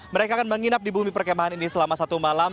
mereka akan menginap di bumi perkemahan ini selama satu malam